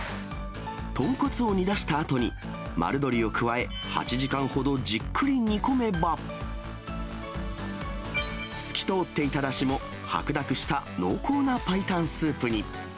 豚骨を煮出したあとに、丸鶏を加え、８時間ほどじっくり煮込めば、透き通っていただしも、白濁した濃厚な白湯スープに。